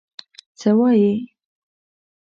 _څه وايي؟